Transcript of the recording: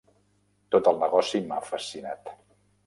Tot el negoci m'ha fascinat.